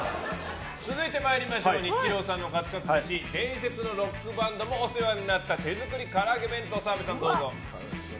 続いてニッチローさんのカツカツ飯伝説のロックバンドもお世話になった手作り唐揚げ弁当。